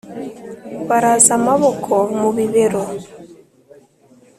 Baraza amaboko mu bibero